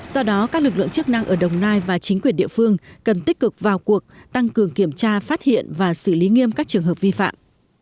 do đó các lực lượng chức năng ở đồng nai và chính quyền địa phương cần tích cực vào cuộc tăng cường kiểm tra phát hiện và xử lý nghiêm các trường hợp vi phạm